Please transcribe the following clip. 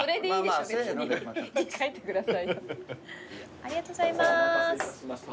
ありがとうございます。